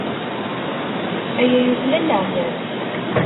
Aya yuklal leɛtab.